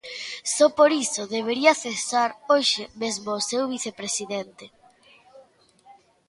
Só por iso debería cesar hoxe mesmo o seu vicepresidente.